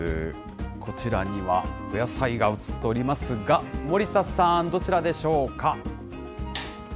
こちらには、お野菜が映っておりますが、森田さん、どちらでしょうか。